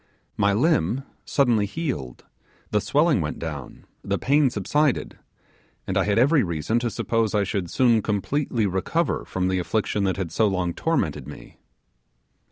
My limb suddenly healed, the swelling went down, the pain subsided, and I had every reason to suppose I should soon completely recover from the affliction that had so long tormented me.